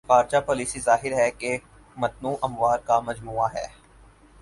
خارجہ پالیسی ظاہر ہے کہ متنوع امور کا مجموعہ ہے۔